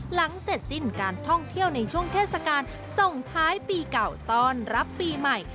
หลังเสร็จสิ้นการท่องเที่ยวในช่วงเทศกาลส่งท้ายปีเก่าต้อนรับปีใหม่